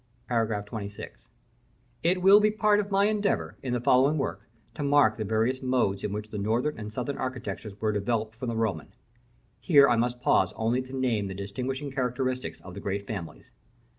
§ XXVI. It will be part of my endeavor, in the following work, to mark the various modes in which the northern and southern architectures were developed from the Roman: here I must pause only to name the distinguishing characteristics of the great families.